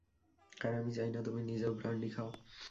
আর আমি চাই না তুমি নিজেও ব্র্যান্ডি খাও।